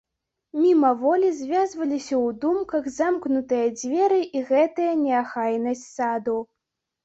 Мімаволі звязваліся ў думках замкнутыя дзверы і гэтая неахайнасць саду.